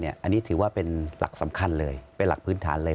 อันนี้ถือว่าเป็นหลักสำคัญเลยเป็นหลักพื้นฐานเลย